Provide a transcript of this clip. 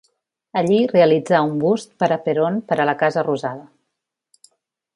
Allí realitzà un bust per a Perón per a la Casa Rosada.